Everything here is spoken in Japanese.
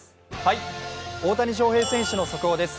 大谷翔平選手の速報です。